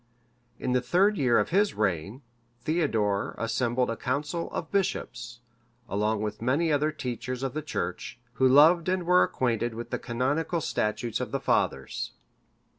In the third year of his reign, Theodore assembled a council of bishops, along with many other teachers of the church, who loved and were acquainted with the canonical statutes of the fathers.